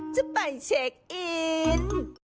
จะไปเช็คอิน